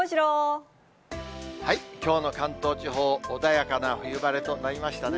きょうの関東地方、穏やかな冬晴れとなりましたね。